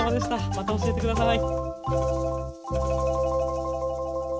また教えて下さい。